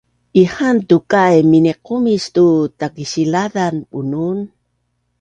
Ihaan tukai miniqumis tu takisilazan bunun